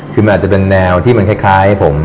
คือมันอาจจะเป็นแนวที่มันคล้ายผม